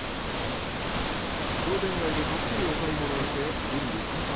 商店街でたっぷりお買物をして準備万端。